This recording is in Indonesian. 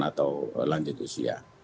atau lanjut usia